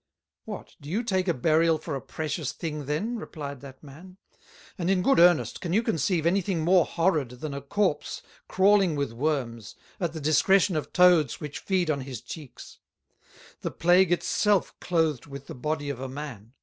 "What, do you take a Burial for a precious thing then," replyed that Man? "And, in good earnest, can you conceive any thing more Horrid than a Corps crawling with Worms, at the discretion of Toads which feed on his Cheeks; the Plague it self Clothed with the Body of a Man?